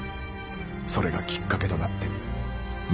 それがきっかけとなって六